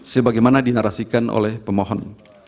sebagaimana dinarasikan oleh pemohon